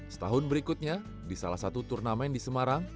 setahun berikutnya di salah satu turnamen di semarang